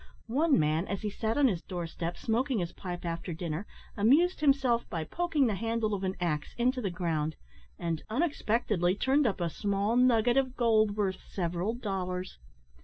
One man, as he sat on his door step smoking his pipe after dinner, amused himself by poking the handle of an axe into the ground, and, unexpectedly, turned up a small nugget of gold worth several dollars.